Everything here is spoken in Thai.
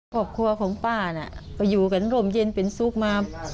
ครอบครัวของป้าน่ะก็อยู่กันร่มเย็นเป็นสุขมา